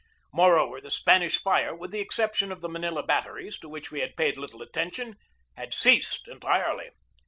Moreover, the Spanish fire, with the exception of the Manila batteries, to which we had paid little attention, had ceased entirely.